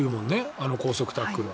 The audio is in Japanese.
あの高速タックルは。